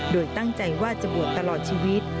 โดยตั้งใจว่าจะบวชตลอดชีวิต